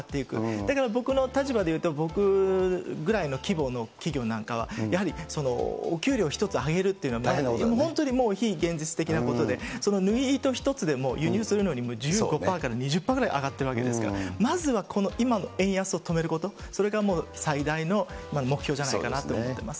だけど、僕の立場でいうと、僕ぐらいの規模の企業なんかは、やはりお給料ひとつ上げるというのは、本当にもう、非現実的なことで、その縫い糸一つでも、輸入するのに１５パーから２０パーぐらい上がっているわけですから、まずはこの今の円安を止めること、それがもう、最大の目標じゃないかなと思っています。